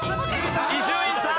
伊集院さん。